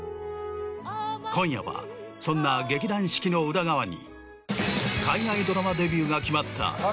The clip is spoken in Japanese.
今夜はそんな劇団四季の裏側に海外ドラマデビューが決まった中島健人が迫る。